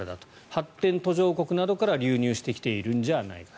発展途上国などから流入してきているんじゃないか。